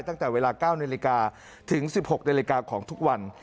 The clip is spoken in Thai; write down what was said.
ตั้งแต่เวลา๙นิลลิการ์ถึง๑๖นิลลิการ์ของทุกวัน